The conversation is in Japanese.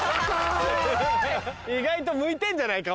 意外と向いてんじゃないか？